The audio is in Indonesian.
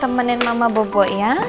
temenin mama bobo ya